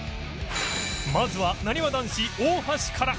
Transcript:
まずはなにわ男子大橋から